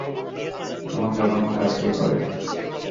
এমন জঘন্য কাজ কে করে?